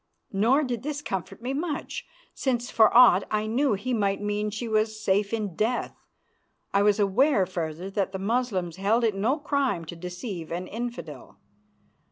Nor did this comfort me much, since for aught I knew he might mean she was safe in death. I was aware, further, that the Moslems held it no crime to deceive an infidel.